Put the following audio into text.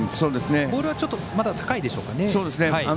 ボールは、ちょっとまだ高いでしょうかね。